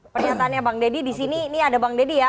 pernyataannya bang deddy di sini ini ada bang deddy ya